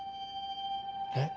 えっ？